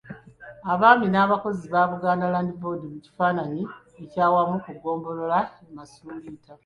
Abaami n’abakozi ba Buganda Land Board mu kifaananyi ekyawamu ku ggombolola e Masuuliita.